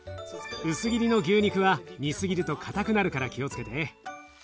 薄切りの牛肉は煮すぎると硬くなるから気をつけて。